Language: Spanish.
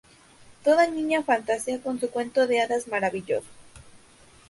Toda niña fantasea con su cuento de hadas maravilloso.